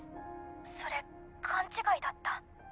それ勘違いだった。